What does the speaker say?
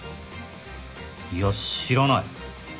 いや知らない。